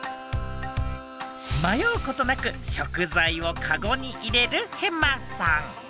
迷うことなく食材をカゴに入れるヘマさん。